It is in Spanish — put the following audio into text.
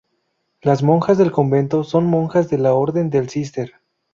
Las monjas del convento son monjas de la Orden del Císter.